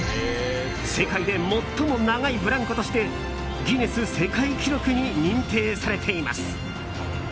世界で最も長いブランコとしてギネス世界記録に認定されています。